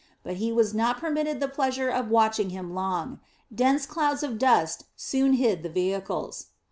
But he was not permitted the pleasure of watching him long; dense clouds of dust soon hid the vehicles.